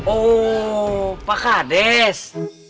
oh pak kades